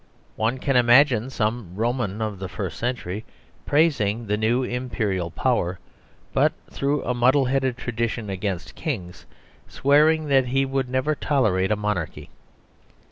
One can imagine some Roman of the first century praising the new Imperial power, but through a muddle headed tradition against " kings " swearing that he would never tolerate a " monarchy."